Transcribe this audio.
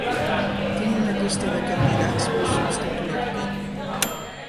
Tinc una llista de candidats per substituir-te.